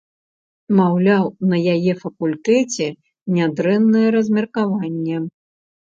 Маўляў, на яе факультэце нядрэннае размеркаванне.